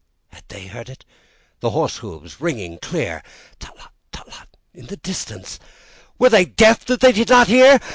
Had they heard it? The horse hooves, ringing clear; Tlot tlot, tlot tlot, in the distance! Were they deaf that they did not hear?